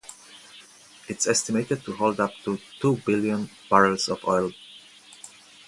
It’s estimated to hold up to two billion barrels of oil.